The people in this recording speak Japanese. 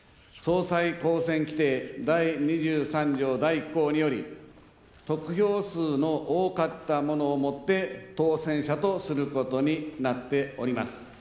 総裁当選規定により得票数の多かった者をもって、当選者とすることになっております。